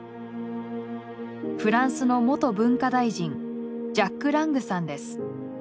フランスの元文化大臣ジャック・ラングさんです。